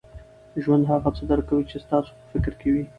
ژوند هغه څه درکوي، چي ستاسو په فکر کي وي.